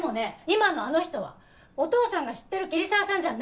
今のあの人はお父さんが知ってる桐沢さんじゃないの。